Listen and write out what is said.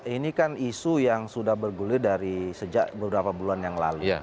ini kan isu yang sudah bergulir dari sejak beberapa bulan yang lalu